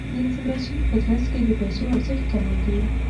د انفلاسیون په ترڅ کې د پیسو ارزښت کمیږي.